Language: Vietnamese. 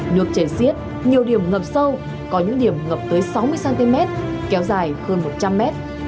nước chảy xiết nhiều điểm ngập sâu có những điểm ngập tới sáu mươi cm kéo dài hơn một trăm linh mét